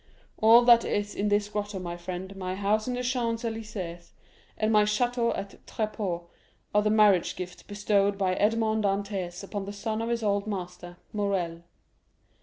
All that is in this grotto, my friend, my house in the Champs Élysées, and my château at Tréport, are the marriage gifts bestowed by Edmond Dantès upon the son of his old master, Morrel.